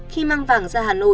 khi mang vàng ra hà nội